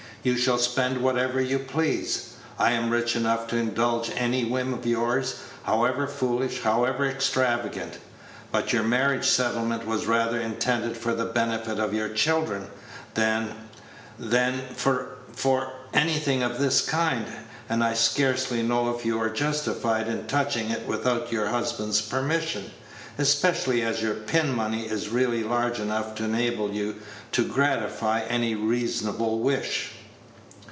"You shall spend whatever you please. I am rich enough to indulge any whim of yours, however foolish, however extravagant. But your marriage settlement was rather intended for the benefit of your children than than for anything of this kind, and I scarcely know if you are justified in touching it without your husband's permission, especially as your pin money is really large enough to enable you to gratify any reasonable wish."